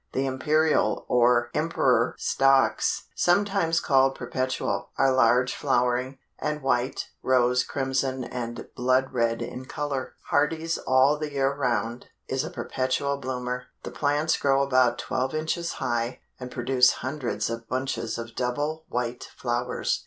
The Imperial or Emperor stocks, sometimes called Perpetual, are large flowering, and white, rose, crimson and blood red in color. "Hardy's All the Year Round," is a perpetual bloomer. The plants grow about twelve inches high, and produce hundreds of bunches of double white flowers.